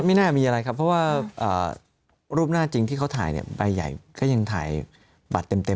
ไม่แน่มีอะไรครับเพราะว่ารูปหน้าที่เขาถ่ายใบใหญ่ก็ยังถ่ายบัตรเต็มเลย